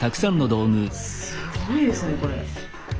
すごいですねこれ。